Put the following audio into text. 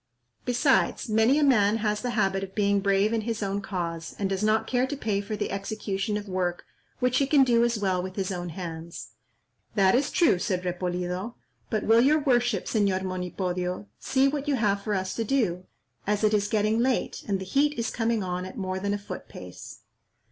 Besides, many a man has the habit of being brave in his own cause, and does not care to pay for the execution of work which he can do as well with his own hands." "That is true," said Repolido; "but will your worship, Señor Monipodio, see what you have for us to do, as it is getting late, and the heat is coming on at more than a foot pace."